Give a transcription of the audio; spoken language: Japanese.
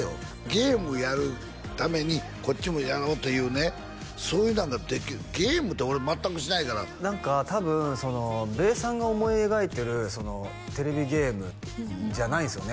ゲームやるためにこっちもやろうというねそういうふうなんができるゲームって俺全くしないから何か多分べーさんが思い描いてるテレビゲームじゃないんですよね